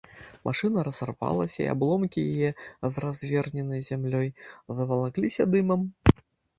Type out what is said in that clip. Машына разарвалася, і абломкі яе, з разверненай зямлёй, завалакліся дымам.